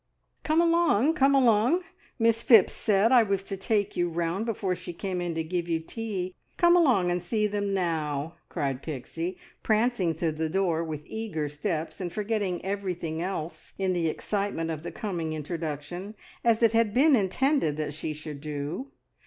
"Come along! Come along! Miss Phipps said I was to take you round before she came in to give you tea. Come along, and see them now," cried Pixie, prancing to the door with eager steps, and forgetting everything else in the excitement of the coming introduction, as it had been intended that she should do.